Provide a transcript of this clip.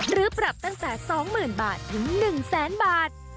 หรือปรับตั้งแต่๒๐๐๐บาทถึง๑แสนบาท